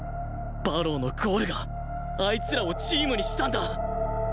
馬狼のゴールがあいつらをチームにしたんだ！